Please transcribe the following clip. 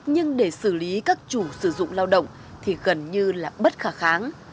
nhưng để xử lý các chủ sử dụng lao động thì gần như là bất khả kháng